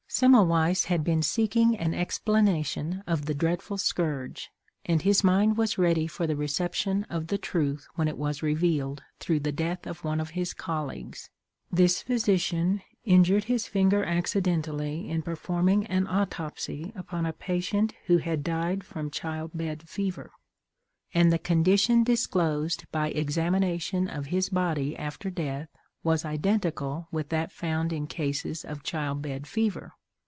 Semmelweiss had been seeking an explanation of the dreadful scourge, and his mind was ready for the reception of the truth when it was revealed through the death of one of his colleagues. This physician injured his finger accidentally in performing an autopsy upon a patient who had died from child bed fever. And the condition disclosed by examination of his body after death was identical with that found in cases of child bed fever.